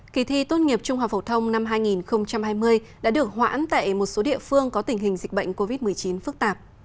kỳ thi tốt nghiệp trung học phổ thông năm hai nghìn hai mươi đã được hoãn tại một số địa phương có tình hình dịch bệnh covid một mươi chín phức tạp